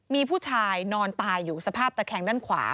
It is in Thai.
มีผู้ชายนอนตายอยู่สภาพตะแคงด้านขวา